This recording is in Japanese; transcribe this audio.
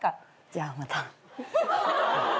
じゃあまた。